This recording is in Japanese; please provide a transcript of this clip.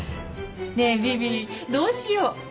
ねえビビどうしよう？